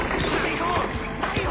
大砲！